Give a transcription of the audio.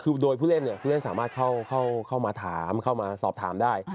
คือโดยผู้เล่นสามารถเข้ามาถามเข้ามาสอบถามได้